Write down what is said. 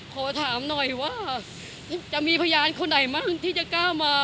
ขอถามหน่อยว่าจะมีพยานคนไหนบ้างที่จะกล้ามา